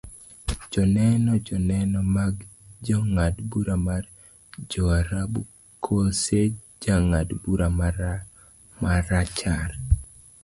joneno, joneno mag jang'ad bura mar joarabu kose jang'ad bura marachar